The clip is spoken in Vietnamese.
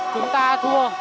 chúng ta thua